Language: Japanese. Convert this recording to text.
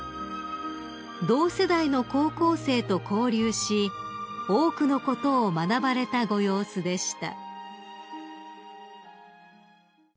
［同世代の高校生と交流し多くのことを学ばれたご様子でした］